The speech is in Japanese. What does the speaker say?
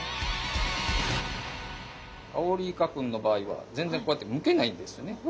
アオリイカ君の場合は全然こうやってむけないんですね。